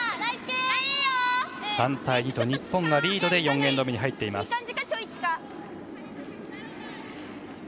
３対２と日本がリードで４エンド目に入っています。